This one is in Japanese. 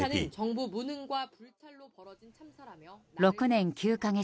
６年９か月